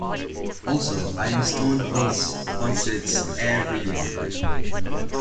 Also, Ironstone hosts concerts every year.